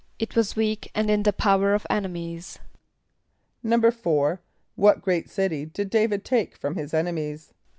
=It was weak and in the power of enemies.= =4.= What great city did D[=a]´vid take from his enemies?